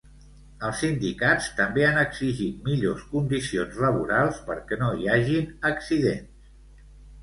Els sindicats també han exigit millors condicions laborals perquè no hi hagin accidents.